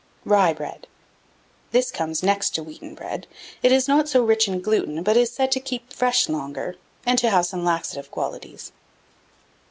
1673. RYE BREAD. This comes next to wheaten bread: it is not so rich in gluten, but is said to keep fresh longer, and to have some laxative qualities.